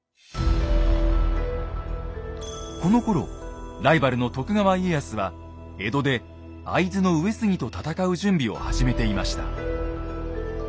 このころライバルの徳川家康は江戸で会津の上杉と戦う準備を始めていました。